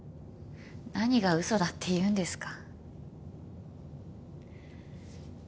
何が嘘だって言うんですか。